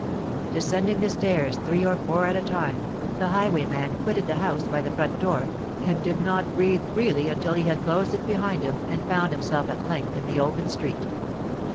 Descending the stairs three or four at a time, the highwayman quitted the house by the front door, and did not breathe freely until he had closed it behind him and found himself at length in the open street.